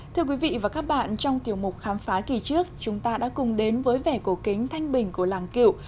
thưa quý vị và các bạn trong tiểu mục khám phá kỳ trước chúng ta đã cùng đến với vẻ cổ kính thanh bình của làng cựu